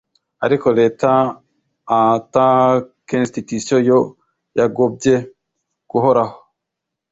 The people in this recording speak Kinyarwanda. ariko leta (en tant qu’institution) yo yagobye guhoraho)